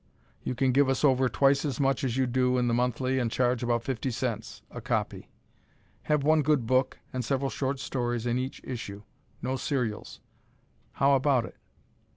You can give us over twice as much as you do in the monthly and charge about 50c. a copy. Have one good book and several short stories in each issue; no serials. How about it?